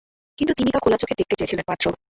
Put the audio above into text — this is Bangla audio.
কিন্তু তিনি তা খোলা চোখে দেখতে চেয়েছিলেন মাত্র।